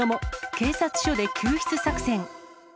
警察署で救出作戦。